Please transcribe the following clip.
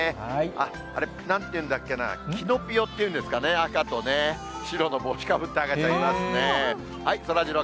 あれなんていうんだっけな、キノピオっていうんですかね、赤と白の帽子をかぶった赤ちゃんいますね。